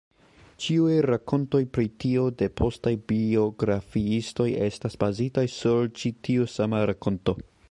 Ĉiuj rakontoj pri tio de postaj biografiistoj estas bazitaj sur ĉi tiu sama rakonto.